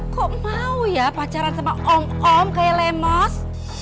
kok mau ya pacaran sama om om kayak lemos